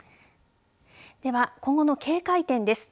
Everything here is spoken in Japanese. では、今後の警戒点です。